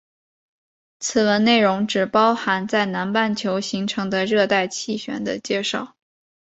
此文内容只包含在南半球形成的热带气旋的介绍。